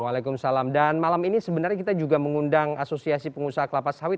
waalaikumsalam dan malam ini sebenarnya kita juga mengundang asosiasi pengusaha kelapa sawit